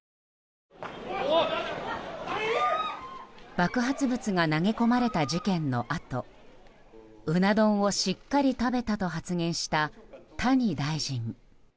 爆発物が投げ込まれた事件のあとうな丼をしっかり食べたと発言した谷大臣。